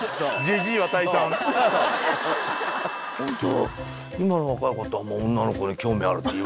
ホント。